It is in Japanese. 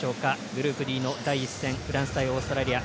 グループＤの第１戦フランス対オーストラリア。